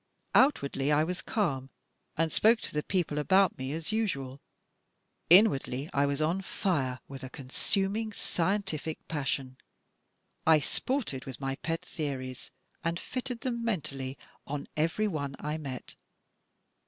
Outwardly I was calm, and spoke to the people about me as usual. Inwardly I was on fire with a consuming scientific passion. I sported with my pet theories, and fitted them mentally on every one I met.